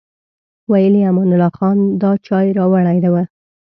ویل یې امان الله خان دا چای راوړی و.